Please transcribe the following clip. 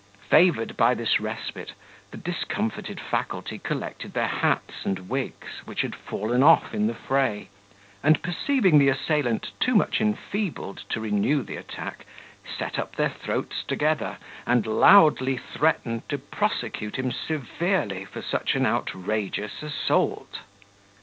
Favoured by this respite, the discomfited faculty collected their hats and wigs, which had fallen off in the fray; and perceiving the assailant too much enfeebled to renew the attack, set up their throats together, and loudly threatened to prosecute him severely for such an outrageous assault.